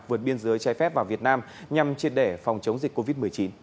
vượt biên giới trái phép vào việt nam nhằm chiết đẻ phòng chống dịch covid một mươi chín